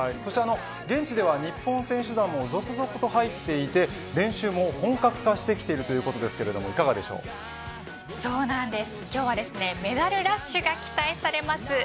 現地では日本選手も続々と入っていて練習も本格化してきているということですがそうなんです、今日はメダルラッシュが期待される